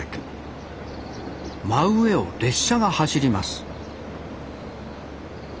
真上を列車が走ります